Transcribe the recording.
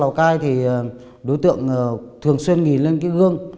lào cai thì đối tượng thường xuyên nghỉ lên cái gương